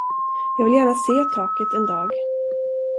Jag vill gärna se taket en dag.